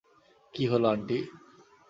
কী হলো আন্টি?